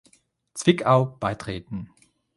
Zwickau" beitreten.